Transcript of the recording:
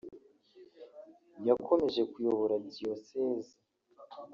yakomeje kuyobora Diyosezi